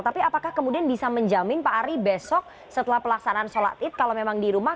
tapi apakah kemudian bisa menjamin pak ari besok setelah pelaksanaan sholat id kalau memang di rumah